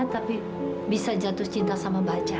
tapi bisa jatuh cinta sama baca